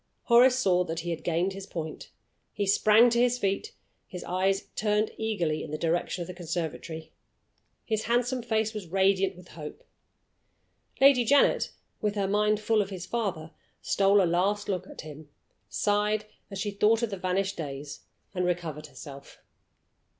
Horace saw that he had gained his point. He sprang to his feet; his eyes turned eagerly in the direction of the conservatory; his handsome face was radiant with hope. Lady Janet (with her mind full of his father) stole a last look at him, sighed as she thought of the vanished days, and recovered herself.